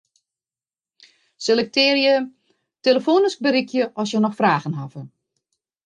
Selektearje 'telefoanysk berikke as jo noch fragen hawwe'.